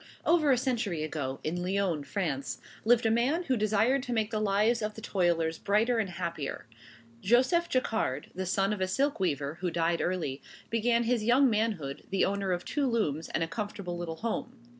Over a century ago, in Lyons, France, lived a man who desired to make the lives of the toilers brighter and happier. Joseph Jacquard, the son of a silk weaver who died early, began his young manhood, the owner of two looms and a comfortable little home.